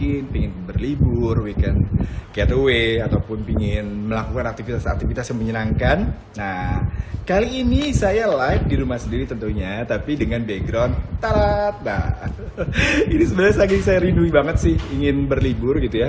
ini sebenarnya saking saya rindu banget sih ingin berlibur gitu ya